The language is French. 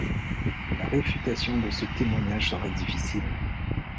La réfutation de ce témoignage sera difficile.